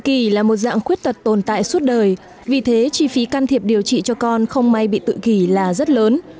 tự kỷ là một dạng khuyết tật tồn tại suốt đời vì thế chi phí can thiệp điều trị cho con không may bị tổn thương